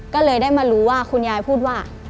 ก็เลยได้มารู้ว่าคุณยายพูดว่า